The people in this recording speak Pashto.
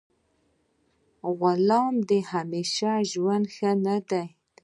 له غلام د همیشه ژوند نه ښه دی.